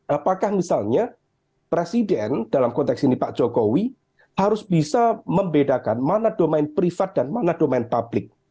apakah misalnya presiden dalam konteks ini pak jokowi harus bisa membedakan mana domain privat dan mana domain publik